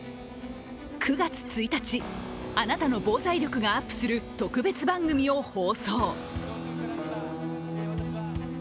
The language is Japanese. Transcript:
９月１日あなたの防災力がアップする特別番組を放送。